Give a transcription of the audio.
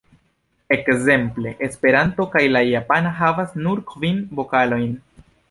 Ekzemple, Esperanto kaj la japana havas nur kvin vokalojn.